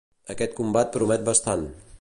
Aquest combat promet bastant.